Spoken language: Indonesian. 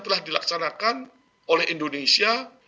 telah dilaksanakan oleh indonesia